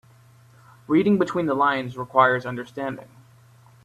Reading between the lines requires understanding.